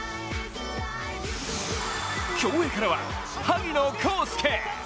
競泳からは萩野公介。